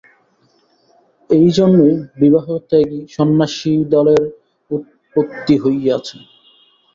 এই জন্যই বিবাহত্যাগী সন্ন্যাসিদলের উৎপত্তি হইয়াছে।